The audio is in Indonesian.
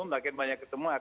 makin banyak ketemu